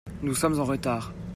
Nous sommes en retard.